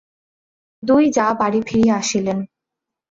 দুই জা বাড়ি ফিরিয়া আসিলেন।